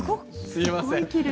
すみません。